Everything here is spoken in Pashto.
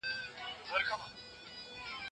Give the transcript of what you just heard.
سیند ته نږدې کېناستل خوند کوي.